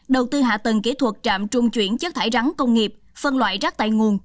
đầu tư hạ tầng kỹ thuật trạm trung chuyển chất thải rắn công nghiệp phân loại rác tại nguồn